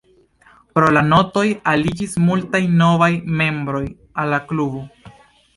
Pro la Notoj aliĝis multaj novaj membroj al la klubo.